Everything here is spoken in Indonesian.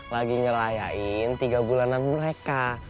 lagi ngerayain tiga bulanan mereka